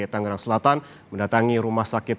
tangerang selatan mendatangi rumah sakit